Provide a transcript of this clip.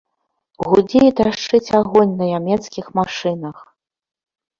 Гудзе і трашчыць агонь на нямецкіх машынах.